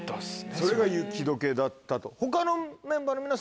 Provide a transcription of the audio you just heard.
それが雪解けだったと。